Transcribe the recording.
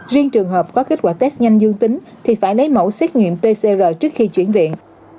riêng trường hợp có kết quả test nhanh dương tính thì phải lấy mẫu xét nghiệm pcr trước khi chuyển viện